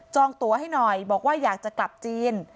ตัวให้หน่อยบอกว่าอยากจะกลับจีน